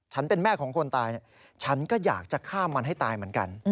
เป็นแม่ของคนตายฉันก็อยากจะฆ่ามันให้ตายเหมือนกัน